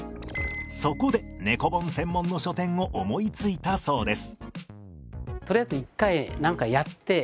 そこで猫本専門の書店を思いついたそうです。